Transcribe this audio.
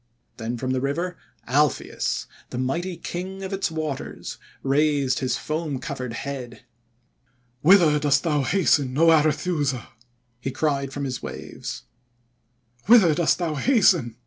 Then from the river, Alpheus, the mighty King of its waters, raised his foam covered head. "'Whither dost thou hasten, 0 Arethusa?' he cried from his waves. 'Whither dost thou hasten?'